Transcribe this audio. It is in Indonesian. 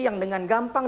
yang dengan gampang